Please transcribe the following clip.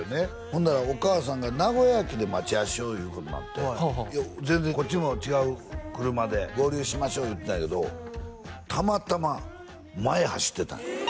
ほんならお母さんが名古屋駅で待ち合わせしよういうことになって全然こっちも違う車で合流しましょう言うてたんやけどたまたま前走ってたんよ